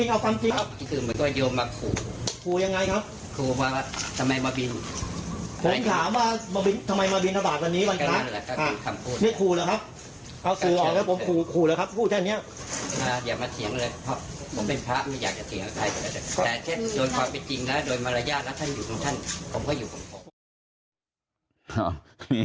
เอาสื่อออกแล้วผมขู่แล้วครับพูดแบบนี้